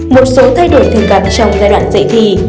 một số thay đổi thường gặp trong giai đoạn dạy thì